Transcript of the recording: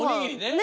ね！